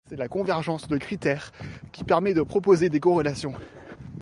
C’est la convergence de critères qui permet de proposer des corrélations.